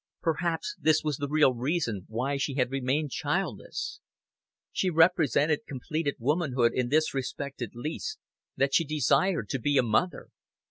Perhaps this was the real reason why she had remained childless. She represented completed womanhood in this respect at least, that she desired to be a mother.